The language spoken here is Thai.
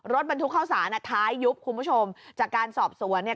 รถบรรทุกเข้าสารอ่ะท้ายยุบคุณผู้ชมจากการสอบสวนเนี่ย